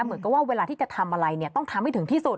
เหมือนกับว่าเวลาที่จะทำอะไรเนี่ยต้องทำให้ถึงที่สุด